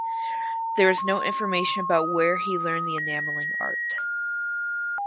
There is no information about where he learned the enameling art.